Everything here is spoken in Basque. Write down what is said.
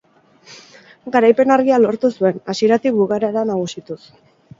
Garaipen argia lortu zuen, hasieratik bukaerara nagusituz.